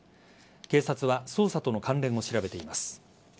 警察は捜査との関連を調べています。